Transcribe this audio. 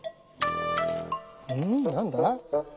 うん？何だ？